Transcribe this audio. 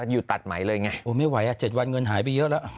อยู่ตัดไหมเลยไงโอ้ไม่ไหวอ่ะ๗วันเงินหายไปเยอะแล้ว